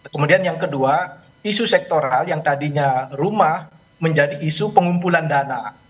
kemudian yang kedua isu sektoral yang tadinya rumah menjadi isu pengumpulan dana